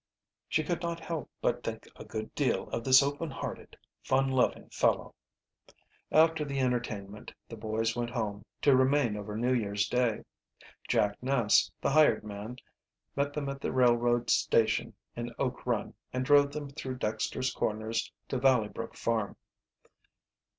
She could not help but think a good deal of this open hearted, fun loving fellow. After the entertainment the boys went home, to remain over New Year's Day. Jack Ness, the hired man, met them at the railroad station in Oak Run and drove them through Dexter's Corners to Valley Brook farm.